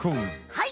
はい。